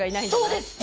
そうです！